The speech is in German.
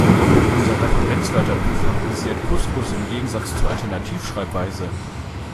Und unser Referenzwörterbuch favorisiert Couscous im Gegensatz zur Alternativschreibweise.